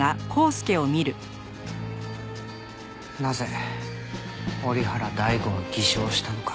なぜ折原大吾は偽証したのか。